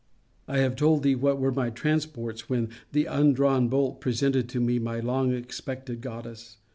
I have told thee what were my transports, when the undrawn bolt presented to me my long expected goddess.